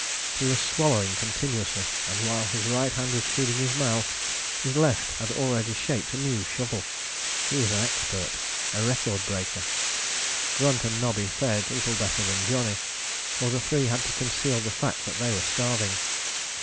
He was swallowing continuously, and while his right hand was feeding his mouth, his left had already shaped a new shovel. He was an expert a record breaker. Grunt and Nobby fared little better than Johnny, for the three had to conceal the fact that they were starving.